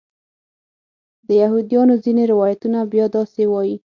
د یهودیانو ځینې روایتونه بیا داسې وایي.